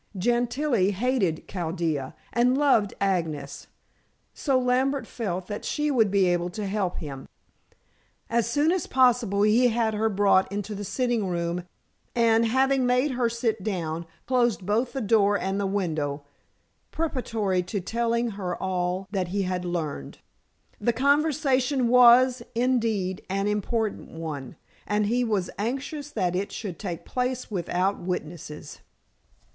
Gentilla hated Chaldea and loved Agnes, so Lambert felt that she would be able to help him. As soon as possible he had her brought into the sitting room, and, having made her sit down, closed both the door and the window, preparatory to telling her all that he had learned. The conversation was, indeed, an important one, and he was anxious that it should take place without witnesses.